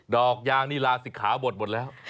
ดอกยางนี่ลาศิกขาบทหมดแล้ว